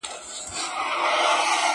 ¬ چي چيري اوسې، په مذهب به د هغو سې.